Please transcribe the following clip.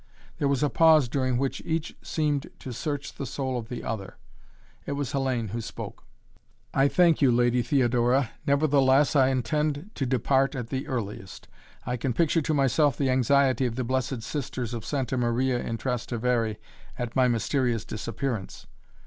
There was a pause during which each seemed to search the soul of the other. It was Hellayne who spoke. "I thank you, Lady Theodora. Nevertheless I intend to depart at the earliest. I can picture to myself the anxiety of the Blessed Sisters of Santa Maria in Trastevere at my mysterious disappearance."